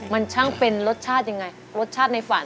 มันช่างเป็นรสชาติยังไงรสชาติในฝัน